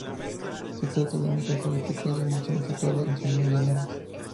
Se trata de un templo de pequeñas dimensiones situado entre medianeras.